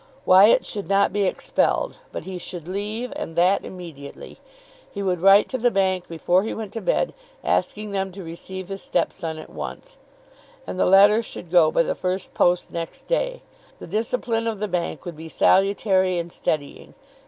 Wyatt should not be expelled. But he should leave, and that immediately. He would write to the bank before he went to bed, asking them to receive his step son at once; and the letter should go by the first post next day. The discipline of the bank would be salutary and steadying.